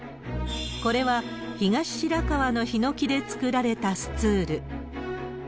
これは、東白川のヒノキで作られたスツール。